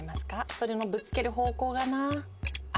それもぶつける方向がなあ